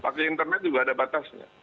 pakai internet juga ada batasnya